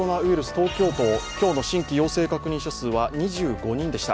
東京都、今日の新規陽性者は２５人でした。